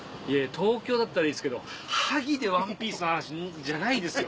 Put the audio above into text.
東京だったらいいですけど萩で『ＯＮＥＰＩＥＣＥ』の話じゃないですよ。